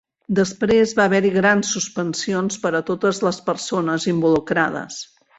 Després va haver-hi grans suspensions per a totes les persones involucrades.